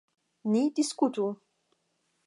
Ni diskutu.